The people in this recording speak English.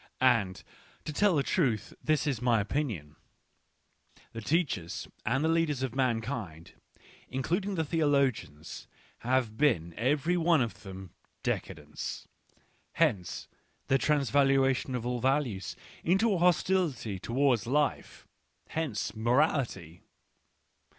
And, to tell the truth, this is my opinion. The teachers and i leaders of mankind — including the theologians — j have been, every one of them, decadents: hence their | transvaluation of all values into a hostility towards; life ; hence morality.